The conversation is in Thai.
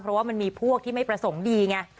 เพราะว่ามันมีพวกที่ไม่ประสงค์ดีไง